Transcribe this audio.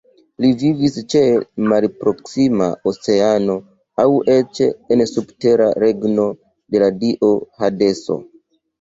Li vivis ĉe malproksima Oceano aŭ eĉ en subtera regno de la dio Hadeso.